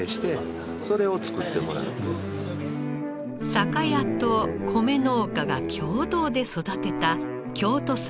酒屋と米農家が共同で育てた京都産の祝